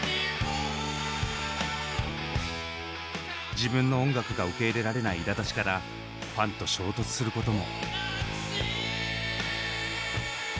自分の音楽が受け入れられないいらだちからファンと衝突することも。